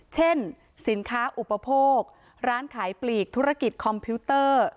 เช่นสินค้าอุปโภคร้านขายปลีกธุรกิจคอมพิวเตอร์